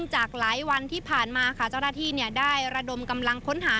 จากหลายวันที่ผ่านมาค่ะเจ้าหน้าที่ได้ระดมกำลังค้นหา